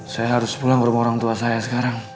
saya harus pulang ke rumah orang tua saya sekarang